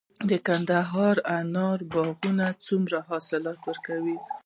د کندهار د انارو باغونه څومره حاصل ورکوي؟